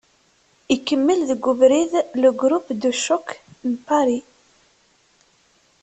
Ikemmel deg ubrid "Le groupe de choc" n Pari.